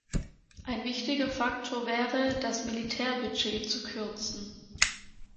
Ein wichtiger Faktor wäre, das Militärbudget zu kürzen.